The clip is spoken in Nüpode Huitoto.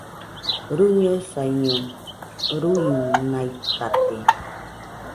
Rɨñosaiño, ruinaitate.